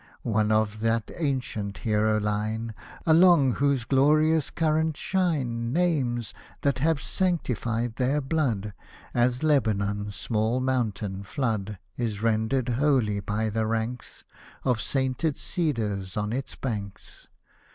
One of that ancient hero line, Along whose glorious current shine Names, that have sanctified their blood ; As Lebanon's small mountain flood Is rendered holy by the ranks Of sainted cedars on its banks.